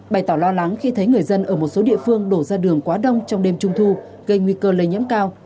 bày tỏ lo lắng khi thấy người dân ở một số địa phương đổ ra đường quá đông trong đêm trung thu gây nguy cơ lây nhiễm cao